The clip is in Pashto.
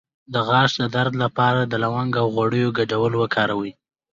د غاښ د درد لپاره د لونګ او غوړیو ګډول وکاروئ